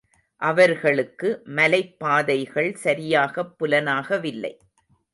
அவர்களுக்கு மலைப் பாதைகள் சரியாகப் புலனாகவில்லை.